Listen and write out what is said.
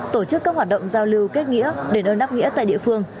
tổ chức các hoạt động giao lưu kết nghĩa để nơi nắp nghĩa tại địa phương